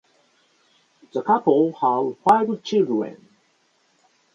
The couple have five children.